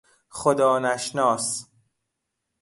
خدا نشناس